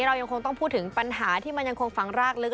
เรายังคงต้องพูดถึงปัญหาที่มันยังคงฝังรากลึก